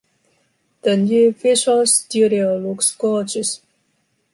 The new Visual Studio looks gorgeous.